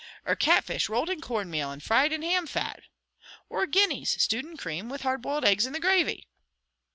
"Or catfish, rolled in cornmeal and fried in ham fat?" "Or guineas stewed in cream, with hard boiled eggs in the gravy?"